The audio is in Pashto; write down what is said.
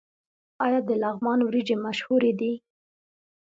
آیا د لغمان وریجې مشهورې دي؟